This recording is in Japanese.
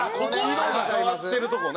色が変わってるとこね。